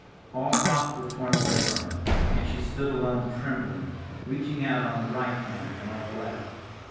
All props were torn away from her, and she stood alone trembling, reaching out on the right hand and on the left.